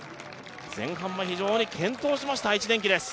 前半は非常に健闘しました愛知電機です。